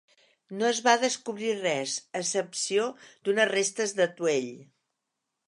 No es va descobrir res, a excepció d'unes restes d'atuell.